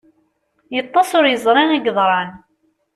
Yeṭṭes ur yeẓri i yeḍran.